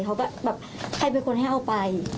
เขาก็แบบใครเป็นคนให้เอาไป